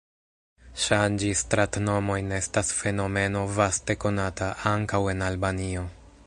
Ŝanĝi stratnomojn estas fenomeno vaste konata, ankaŭ en Albanio.